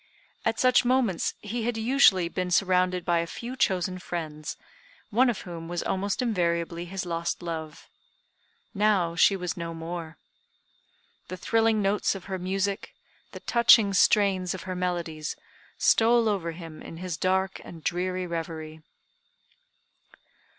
At such moments he had usually been surrounded by a few chosen friends, one of whom was almost invariably his lost love. Now she was no more. The thrilling notes of her music, the touching strains of her melodies, stole over him in his dark and dreary reverie.